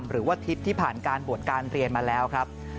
หรือว่าทิศที่ผ่านการบวชการเรียนมาแล้วครับ